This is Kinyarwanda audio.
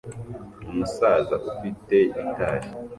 Umusaza ufite gitari